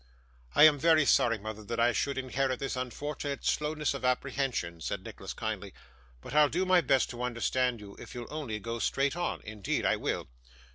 'I am very sorry, mother, that I should inherit this unfortunate slowness of apprehension,' said Nicholas, kindly; 'but I'll do my best to understand you, if you'll only go straight on: indeed I will.